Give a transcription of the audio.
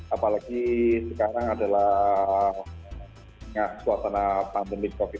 apalagi sekarang adalah suasana pandemi covid sembilan belas